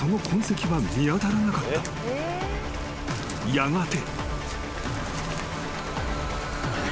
［やがて］